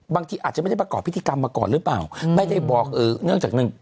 บางทีอาจจะไม่ได้ประกอบพิธีกรรมมาก่อนหรือเปล่าไม่ได้บอกเออเนื่องจากหนึ่ง